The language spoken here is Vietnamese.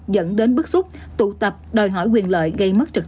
dẫn đến bức xúc tụ tập đòi hỏi quyền lợi gây mất trật tự